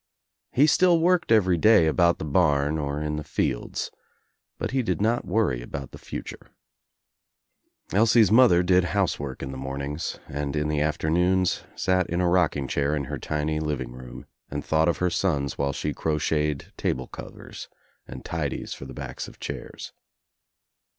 He still worked every day about the barn or in the fields but he did not worry about the future. Elsie's mother did house work in the mornings and in the afternoons sat In a rocking chair in her tiny living room and thought of her sons while she crocheted table covers and tidies for the backs of chairs.